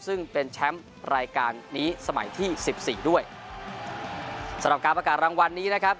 ซึ่งเป็นแชมป์รายการนี้สมัยที่สิบสี่ด้วยสำหรับการประกาศรางวัลนี้นะครับ